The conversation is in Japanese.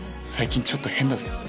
最近ちょっと変だぞ。